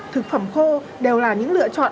thực phẩm khô đều là những lựa chọn